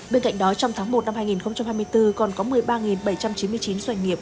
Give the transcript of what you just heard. bên cạnh đó trong tháng một năm hai nghìn hai mươi bốn còn có một mươi ba bảy trăm chín mươi chín doanh nghiệp